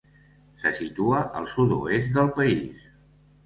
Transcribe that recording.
Se situa al sud-oest del país.